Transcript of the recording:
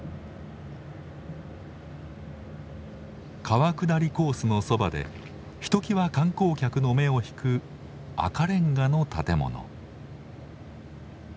川下りコースのそばでひときわ観光客の目をひく赤れんがの建物。